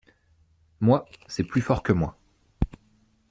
Moi, c’est plus fort que moi…